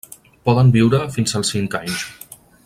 Poden viure fins als cinc anys.